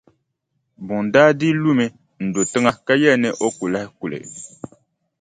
Buŋa daa dii lumi n-do tiŋa ka yɛli ni o ku lahi kuli.